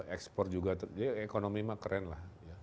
ekspor juga jadi ekonomi mah keren lah